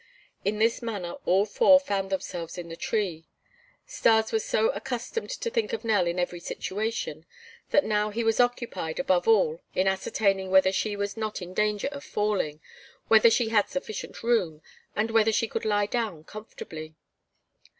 In this manner all four found themselves in the tree. Stas was so accustomed to think of Nell in every situation that now he was occupied, above all, in ascertaining whether she was not in danger of falling, whether she had sufficient room and whether she could lie down comfortably.